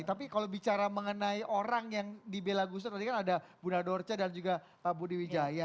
tapi kalau bicara mengenai orang yang dibela gus dur tadi kan ada bunda dorce dan juga pak budi wijaya